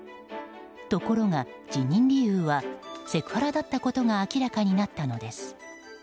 ところが、辞任理由はセクハラだったことが明らかになったのです。